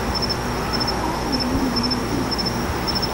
A profoundly humane comedy.